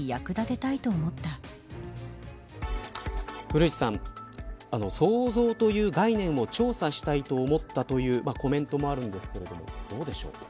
古市さん、創造という概念を調査したいと思ったというコメントもあるんですけれどもどうですか。